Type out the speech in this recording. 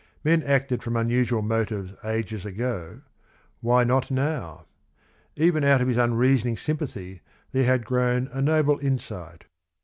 Men acted from unusual motives ages ago, why not now ? Even out of his unreasoning sympathy there had grown a noble insight.